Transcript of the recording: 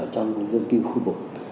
trong dân tiêu khu vực